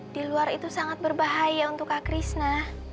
di luar itu sangat berbahaya untuk kak krishna